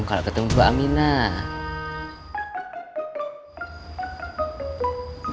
kalau ketemu bu aminah